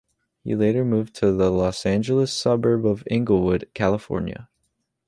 He later moved to the Los Angeles suburb of Inglewood, California.